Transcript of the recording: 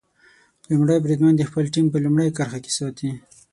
لومړی بریدمن د خپله ټیم په لومړۍ کرښه کې ساتي.